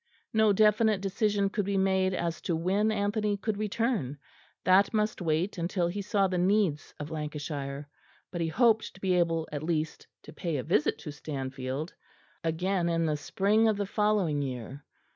No definite decision could be made as to when Anthony could return; that must wait until he saw the needs of Lancashire; but he hoped to be able at least to pay a visit to Stanfield again in the spring of the following year.